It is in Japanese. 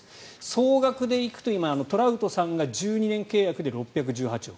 総額で行くと今、トラウトさんが１２年契約で６１８億。